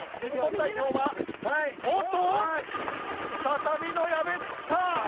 再びのやべっちか！